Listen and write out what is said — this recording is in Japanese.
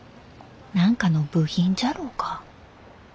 何かの部品じゃろうか？